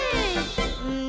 うん。